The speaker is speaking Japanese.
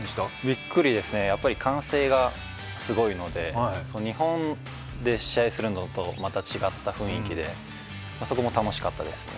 びっくりですね、歓声がすごいので、日本で試合するのとまた違った雰囲気でそこも楽しかったですね。